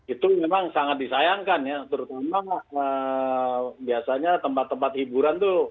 itu memang sangat disayangkan ya terutama biasanya tempat tempat hiburan itu